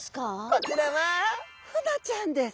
こちらはフナちゃんです。